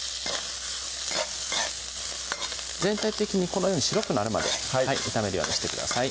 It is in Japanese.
全体的にこのように白くなるまで炒めるようにしてください